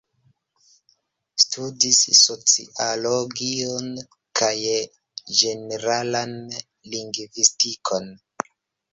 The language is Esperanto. Studis sociologion kaj ĝeneralan lingvistikon.